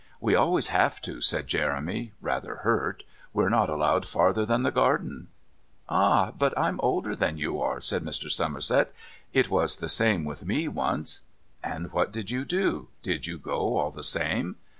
"We always have to," said Jeremy, rather hurt. "We're not allowed farther than the garden." "Ah, but I'm older than you are," said Mr. Somerset. "It was the same with me once." "And what did you do? Did you go all the same?"